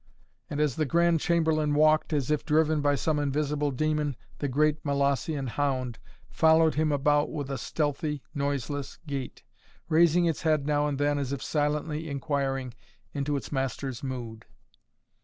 And as the Grand Chamberlain walked, as if driven by some invisible demon, the great Molossian hound followed him about with a stealthy, noiseless gait, raising its head now and then as if silently inquiring into its master's mood.